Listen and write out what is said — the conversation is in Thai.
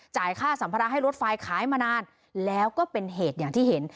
ค่าสัมภาระให้รถไฟขายมานานแล้วก็เป็นเหตุอย่างที่เห็น